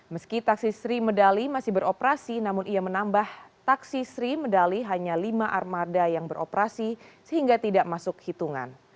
meski taksi sri medali masih beroperasi namun ia menambah taksi sri medali hanya lima armada yang beroperasi sehingga tidak masuk hitungan